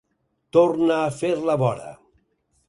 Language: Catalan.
Torna a fer la vora.